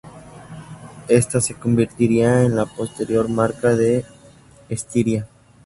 Esta se convertiría en la posterior marca de Estiria.